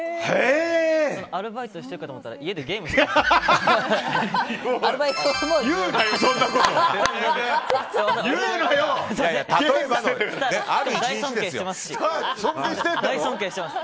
アルバイトしてるかと思ったら家でゲームしてました。